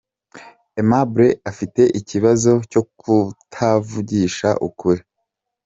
Aimable afite ikibazo cyo kutavugisha ukuri.